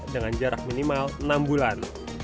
dengan jarak minimal enam bulan